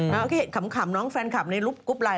แล้วโอเคขำน้องแฟนคับในกรุ๊ปไลน์